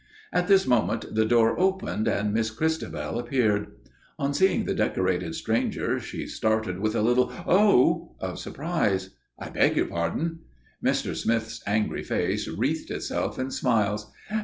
At this moment the door opened and Miss Christabel appeared. On seeing the decorated stranger she started with a little "Oh!" of surprise. "I beg your pardon." Mr. Smith's angry face wreathed itself in smiles.